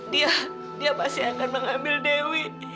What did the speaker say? dia dia pasti akan mengambil dewi